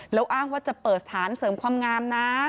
แล้วอ้างว่าจะเปิดสถานเสริมความงามนะ